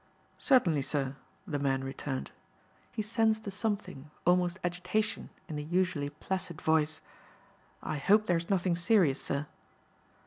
"Certainly, sir," the man returned. He sensed a something, almost agitation in the usually placid voice. "I hope there's nothing serious, sir."